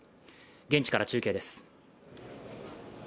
現地から中継です。